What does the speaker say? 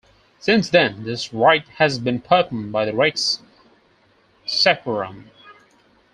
Since then, this rite has been performed by the Rex Sacrorum.